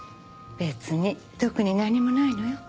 別に特に何もないのよ。